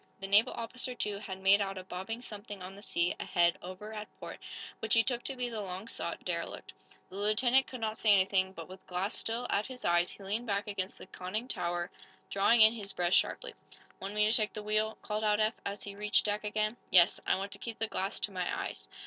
The naval officer, too, had made out a bobbing something on the sea, ahead, over at port, which he took to be the long sought derelict. The lieutenant could not say anything, but, with glass still at his eyes, he leaned back against the conning tower, drawing in his breath sharply. "Want me to take the wheel?" called out Eph, as he reached deck again. "Yes. I want to keep the glass to my eyes."